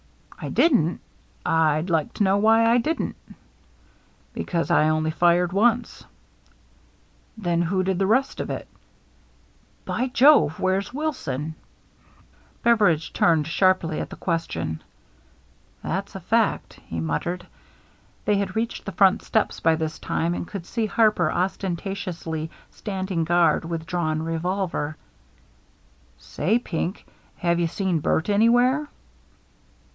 " I didn't ? I'd like to know why I didn't." " Because I only fired once." " Then who did the rest of it ? By Jove ! Where's Wilson?" 340 THE MERRT JNNE Beveridge turned sharply at the question. "That's a fact," he muttered. They had reached the front steps by this time, and could see Harper ostentatiously standing guard with drawn revolver. " Say, Pink, have you seen Bert anywhere